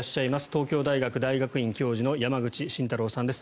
東京大学大学院教授の山口慎太郎さんです。